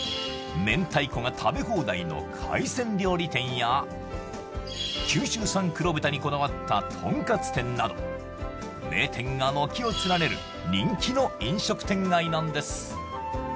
めんたいこが食べ放題の海鮮料理店や九州産黒豚にこだわったとんかつ店など名店が軒を連ねる人気の飲食店街なんです